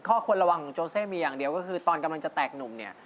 ข้อควรระวังของโจเซมีอย่างเดียวก็คือตอนกำลังจะแตกหนุ่มเนี่ย